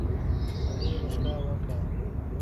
سړي موسکا وکړه.